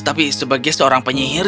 tapi sebagai seorang penyihir